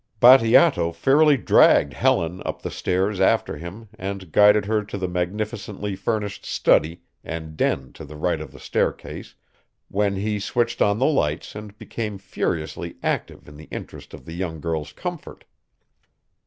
Bateato fairly dragged Helen up the stairs after him and guided her to the magnificently furnished study and den to the right of the staircase, when he switched on the lights and became furiously active in the interest of the young girl's comfort.